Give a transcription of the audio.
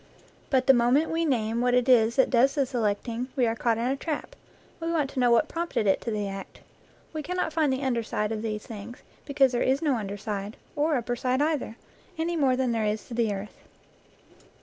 But the moment we name what it is that does the selecting, we are caught in a trap we want to know what prompted it to the act. We cannot find the under side of these things, because there is no under side, or upper side either, any more than there is to the earth.